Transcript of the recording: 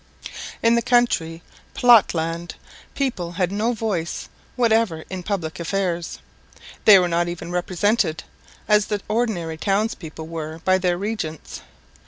In the country platteland people had no voice whatever in public affairs; they were not even represented, as the ordinary townspeople were by their regents.